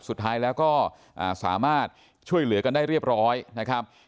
สุดท้ายแล้วก็สามารถช่วยเหลือกันได้เรียบร้อยนะครับ